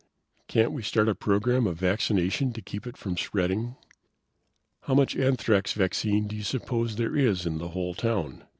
"Can't we start a program of vaccination to keep it from spreading?" "How much anthrax vaccine do you suppose there is in the whole town?